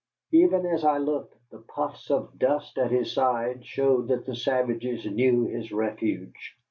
Even as I looked the puffs of dust at his side showed that the savages knew his refuge.